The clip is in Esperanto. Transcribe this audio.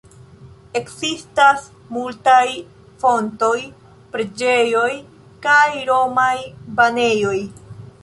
Ekzistas multaj fontoj, preĝejoj, kaj romaj banejoj.